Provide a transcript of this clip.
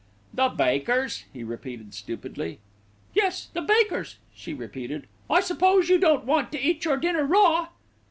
"The bakers!" he repeated stupidly. "Yes, the bakers," she repeated. "I suppose you don't want to eat your dinner raw."